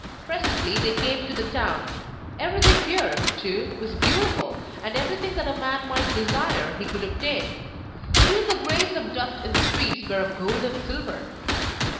Presently they came to the town; everything here, too, was beautiful, and everything that a man might desire he could obtain. Even the grains of dust in the streets were of gold and silver.